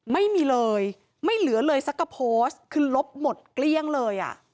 ไม่มีเลยไม่เหลือเลยสักกระโพสต์คือลบหมดเกลี้ยงเลยอ่ะ